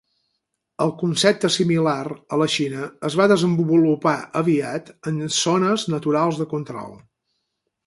El concepte similar a la Xina es va desenvolupar aviat en xones naturals de control.